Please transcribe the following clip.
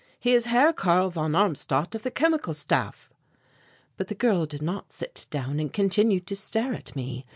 "He is Herr Karl von Armstadt of the Chemical Staff." But, the girl did not sit down and continued to stare at me.